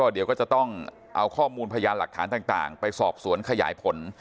เดี๋ยวก็จะต้องเอาข้อมูลพยานหลักฐานต่างไปสอบสวนขยายผล